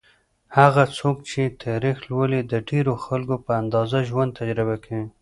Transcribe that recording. هغه څوک چې تاریخ لولي، د ډېرو خلکو په اندازه ژوند تجربه کوي.